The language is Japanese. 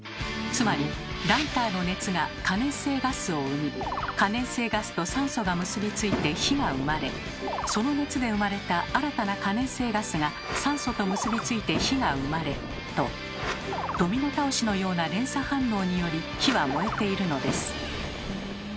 つまりライターの熱が可燃性ガスを生み可燃性ガスと酸素が結びついて火が生まれその熱で生まれた新たな可燃性ガスが酸素と結びついて火が生まれとドミノ倒しのような連鎖反応により火は燃えているのです。